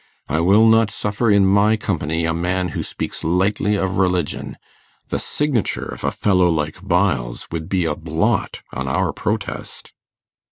I will not suffer in my company a man who speaks lightly of religion. The signature of a fellow like Byles would be a blot on our protest.